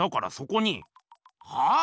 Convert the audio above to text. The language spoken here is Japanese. はあ？